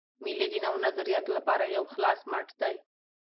مېلې د نوو نظریاتو له پاره یو خلاص مټ دئ.